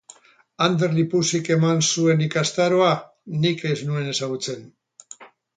Ander Lipusek eman zuen ikastaroa nik ez nuen ezagutzen.